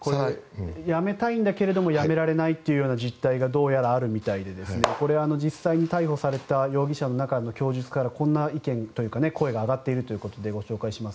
やめたいんだけどやめられない実態がどうやらあるみたいで実際に逮捕された容疑者の中の供述から、こんな声が上がっているということでご紹介します。